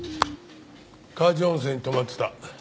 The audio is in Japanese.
川治温泉に泊まってた。